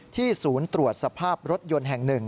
ที่ศูนย์ตรวจสภาพรถยนต์แห่งหนึ่ง